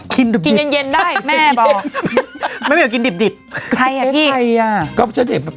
กินดาบดิบ